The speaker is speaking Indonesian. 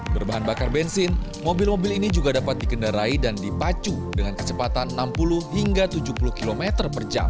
berbahan bakar bensin mobil mobil ini juga dapat dikendarai dan dipacu dengan kecepatan enam puluh hingga tujuh puluh km per jam